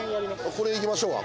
これいきましょうか。